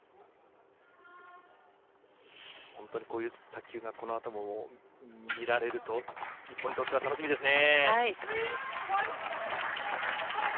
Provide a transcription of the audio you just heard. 本当にこういう卓球がこの後も見られると、日本としては楽しみですね。